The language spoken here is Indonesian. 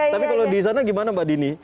tapi kalau disana gimana mbak dini